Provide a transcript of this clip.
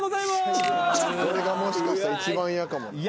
これがもしかしたら一番嫌かもな。